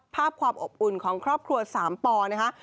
ภาพความอบอุ่นของครอบครัวสามปนะคะ